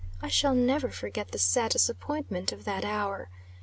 I shall never forget the sad disappointment of that hour.